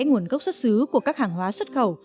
nguồn gốc xuất xứ của các hàng hóa xuất khẩu